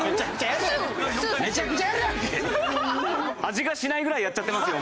味がしないぐらいやっちゃってますよ